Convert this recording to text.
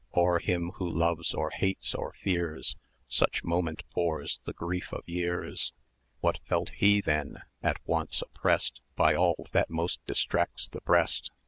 O'er him who loves, or hates, or fears, Such moment pours the grief of years:[db] What felt he then, at once opprest By all that most distracts the breast?